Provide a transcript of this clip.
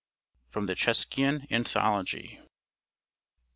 From the 'Cheskian Anthology.'